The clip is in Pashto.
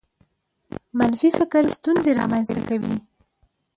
منفي فکر ستونزې رامنځته کوي.